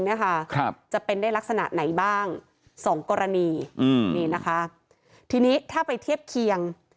เนี่ยค่ะครับจะเป็นได้ลักษณะไหนบ้างสองกรณีอืมนี่นะคะทีนี้ถ้าไปเทียบเคียง